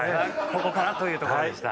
ここからというところでした。